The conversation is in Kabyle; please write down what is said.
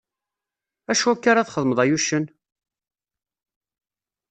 Acu akka ara txeddmeḍ ay uccen?